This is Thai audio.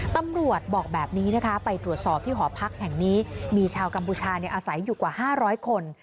ตำรวจบอกแบบนี้นะคะไปตรวจสอบที่หอพักแห่งนี้มีชาวกัมพูชาอาศัยอยู่กว่า๕๐๐คน